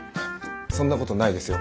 そんなことないですよ